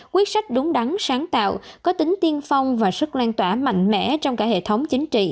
quyết sách đúng đắn sáng tạo có tính tiên phong và sức lan tỏa mạnh mẽ trong cả hệ thống chính trị